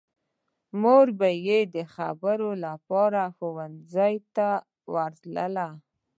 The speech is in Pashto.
مور به یې د خبرو لپاره ښوونځي ته ورتله